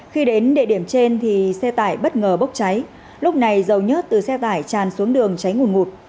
khi đến địa điểm trên thì xe tải bất ngờ bốc cháy lúc này dầu nhớt từ xe tải tràn xuống đường cháy ngủn ngụt